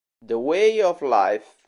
The Way of Life